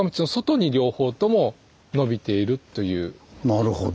なるほど。